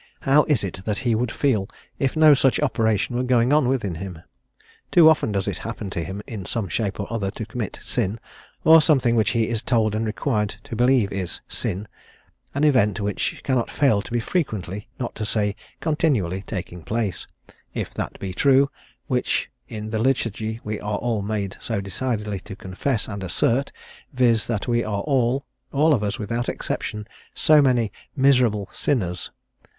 How is it that he would feel, if no such operation were going on within him? Too often does it happen to him in some shape or other, to commit sin; or something which he is told and required to believe is sin: an event which cannot fail to be frequently, not to say continually, taking place, if that be true, which in the Liturgy we are all made so decidedly to confess and assert, viz., that we are all all of us without exception so many _'miserable sinners.'